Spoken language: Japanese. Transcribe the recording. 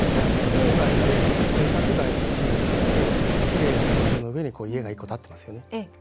郊外で住宅街のシーンがあるときれいな芝生の上に家が１個、建ってますよね。